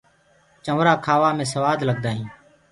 چونٚرآ کآوآ مي سوآ لگدآ هينٚ۔